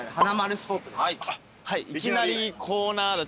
いきなりコーナーが。